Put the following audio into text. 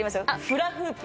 フラフープ。